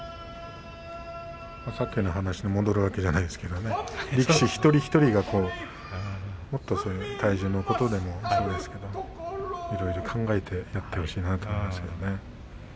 さっきの話に戻るわけではないですけれども一人一人が、もっと体重のことでもそうですけどいろいろ考えてやってほしいなと思いますけどね。